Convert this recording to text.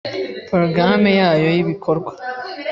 porogaramu yayo y’ibikorwa